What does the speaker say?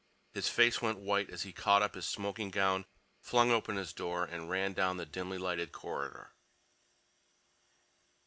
_ His face went white as he caught up his smoking gown, flung open his door, and ran down the dimly lighted corridor.